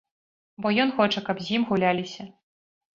Бо ён хоча, каб з ім гуляліся.